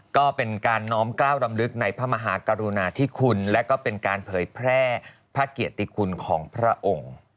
ก็เป็นการน้อมกล้าวดำลึกในพระมหากรุณาธิคุณและก็เป็นการเผยแพร่พระเกียรติคุณของพระองค์